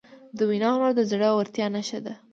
د وینا هنر د زړهورتیا نښه ده.